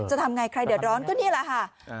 จะทำไงใครเดือดร้อนก็นี่แหละค่ะ